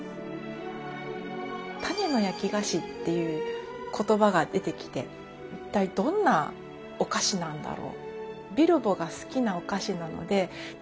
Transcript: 「種の焼き菓子」という言葉が出てきて一体どんなお菓子なんだろうと。